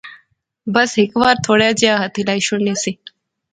بس ہیک وار تھوڑا جیا ہتھ ہلائی شوڑنے سے